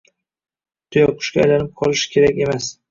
Tuyaqushga aylanib qolish kerak emas.